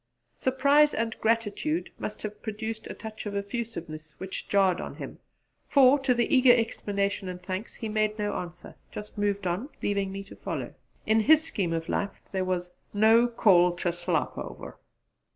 Surprise and gratitude must have produced a touch of effusiveness which jarred on him; for, to the eager exclamation and thanks, he made no answer just moved on, leaving me to follow. In his scheme of life there was 'no call to slop over.'